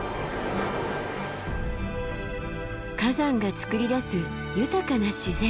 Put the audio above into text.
火山がつくり出す豊かな自然。